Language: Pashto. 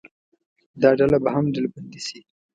دا ډله به هم ډلبندي شي.